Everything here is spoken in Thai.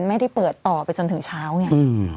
ไม่ได้เปิดต่อไปจนถึงเช้าไง